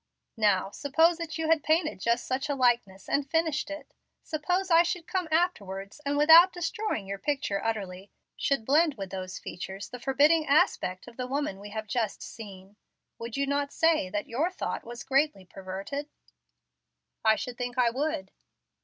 "Now, suppose that you had painted just such a likeness and finished it. Suppose I should come afterwards, and, without destroying your picture utterly, should blend with those features the forbidding aspect of the woman we have just seen, would you not say that your thought was greatly perverted?" "I should think I would."